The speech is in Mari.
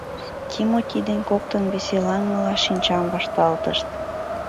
Тимоти ден коктын веселаҥмыла шинчам вашталтышт.